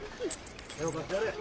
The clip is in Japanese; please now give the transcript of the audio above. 手を貸してやれ。